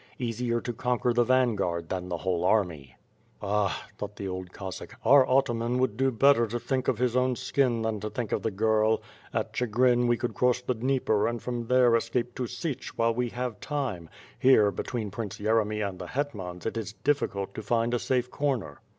Easier to conquer the vanguard than the whole army. "Ah!" thought the old Cossack, "our ataman would do better to think of his own skin than to think of the girl. At Chigrin, we could cross the Dnieper and from there escape to Sich while we have time; here, between Prince Yeremy and the hetmans, it is difficult to find a safe corner."